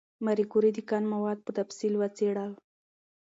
ماري کوري د کان مواد په تفصیل وڅېړل.